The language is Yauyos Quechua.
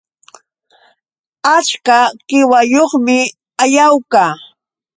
Achka qiwayuqmi Ayawka